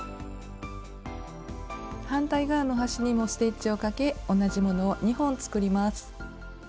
反対側の端にもステッチをかけ同じものを２本作ります。